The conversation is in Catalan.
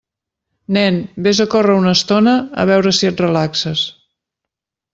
Nen, vés a córrer una estona, a veure si et relaxes.